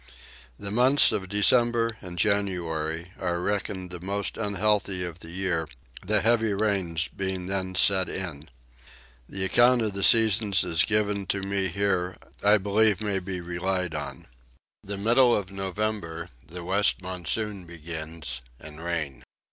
The months of December and January are reckoned the most unhealthy of the year, the heavy rains being then set in. The account of the seasons as given to me here I believe may be relied on. The middle of November the west monsoon begins and rain.